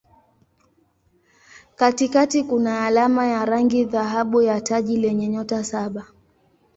Katikati kuna alama ya rangi dhahabu ya taji lenye nyota saba.